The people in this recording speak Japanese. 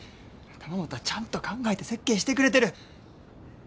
玉本はちゃんと考えて設計してくれてる。